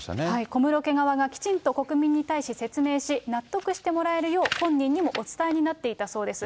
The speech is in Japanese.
小室家側がきちんと国民に対し説明し、納得してもらえるようにしなければお伝えになっていたそうです。